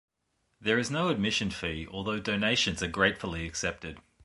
There is no admission fee, although donations are gratefully accepted.